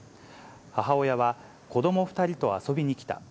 母親は、子ども２人と遊びに来た。